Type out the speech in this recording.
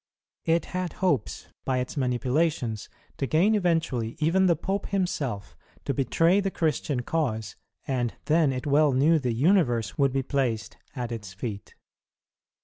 It had hopes, by its manipulations, to gain eventually, even the Pope himself, to betray the Christian cause, and then it well knew the universe would be placed at its feet.